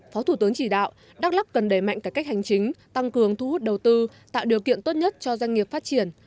phó thủ tướng chỉ đạo đắk lắc cần đẩy mạnh cải cách hành chính tăng cường thu hút đầu tư tạo điều kiện tốt nhất cho doanh nghiệp phát triển